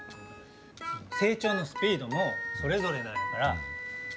成長のスピードもそれぞれなんやから。